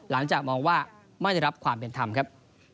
หลังจากมองว่าไม่ได้รับความเป็นธรรมครับ